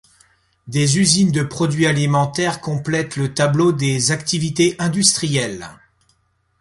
Des usines de produits alimentaires complètent le tableau des activités industrielles.